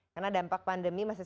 karena dampak pandemi masih